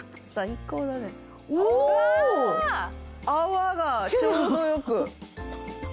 「泡がちょうどよく」